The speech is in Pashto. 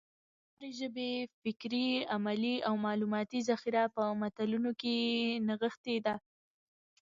د هري ژبي فکري، علمي او معلوماتي ذخیره په متونو کښي نغښتې ده.